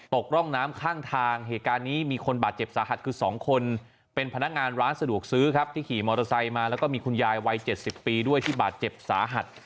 ร่องน้ำข้างทางเหตุการณ์นี้มีคนบาดเจ็บสาหัสคือ๒คนเป็นพนักงานร้านสะดวกซื้อครับที่ขี่มอเตอร์ไซค์มาแล้วก็มีคุณยายวัย๗๐ปีด้วยที่บาดเจ็บสาหัส